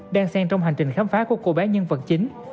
đang sen trong hành trình khám phá của cô bé nhân vật chính